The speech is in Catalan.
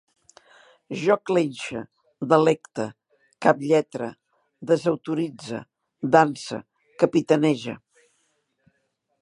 Jo clenxe, delecte, caplletre, desautoritze, danse, capitanege